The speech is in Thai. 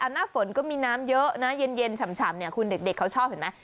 หน้าฝนก็มีน้ำเยอะนะเย็นฉ่ำเนี่ยคุณเด็กเขาชอบเห็นไหม